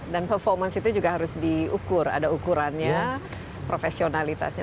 dan performance itu juga harus diukur ada ukurannya profesionalitasnya